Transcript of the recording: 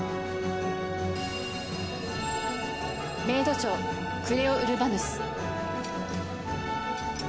メイド長クレオ・ウルバヌス。